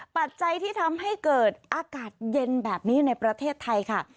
ปัจจัยที่ทำให้เกิดอากาศเย็นแบบนี้ในประเทศไทยค่ะ